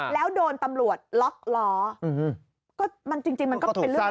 แล้วโดนตำรวจล็อกล้อก็มันจริงมันก็เป็นเรื่อง